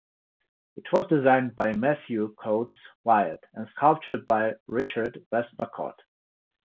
It was designed by Matthew Cotes Wyatt and sculpted by Richard Westmacott.